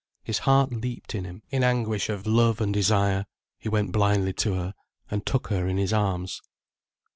His heart leaped in him, in anguish of love and desire, he went blindly to her and took her in his arms.